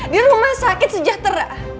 di rumah sakit sejahtera